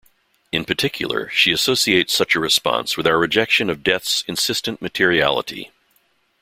In particular, she associates such a response with our rejection of death's insistent materiality.